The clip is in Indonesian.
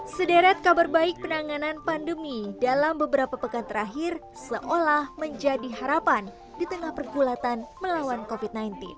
sederet kabar baik penanganan pandemi dalam beberapa pekan terakhir seolah menjadi harapan di tengah pergulatan melawan covid sembilan belas